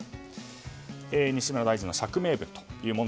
西村大臣の釈明文です。